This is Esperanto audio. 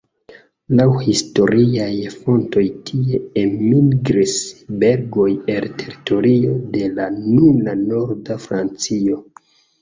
Laŭ historiaj fontoj tie enmigris belgoj el teritorio de la nuna norda Francio.